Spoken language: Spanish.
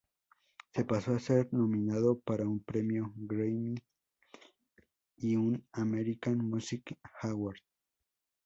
Se pasó a ser nominado para un premio Grammy y un American Music Award.